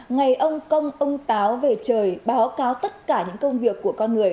ngày ông công ông táo về trời báo cáo tất cả những công việc của con người